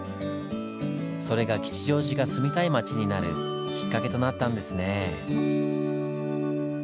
それが吉祥寺が「住みたい街」になるきっかけとなったんですねぇ。